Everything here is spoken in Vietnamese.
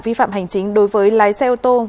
vi phạm hành chính đối với lái xe ô tô